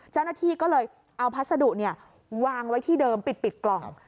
เจ้าหน้าที่ก็เลยเอาพัสดุวางไว้ที่เดิมปิดกล่อง